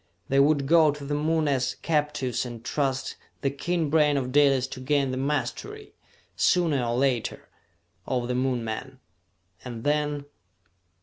They would go to the Moon as captives and trust the keen brain of Dalis to gain the mastery, sooner or later, over the Moon men. And then...."